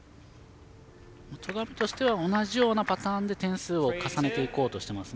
戸上としては同じようなパターンで点数を重ねていこうとしていますね。